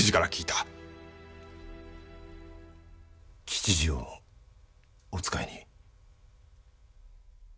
吉次をお使いに？